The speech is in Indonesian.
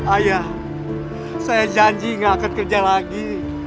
ayah saya janji gak akan kerja lagi